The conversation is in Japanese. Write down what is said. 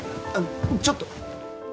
あのちょっと。